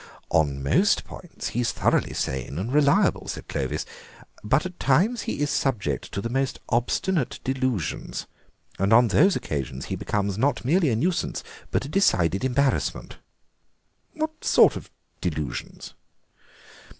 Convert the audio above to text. "On most points he's thoroughly sane and reliable," said Clovis, "but at times he is subject to the most obstinate delusions, and on those occasions he becomes not merely a nuisance but a decided embarrassment." "What sort of delusions?"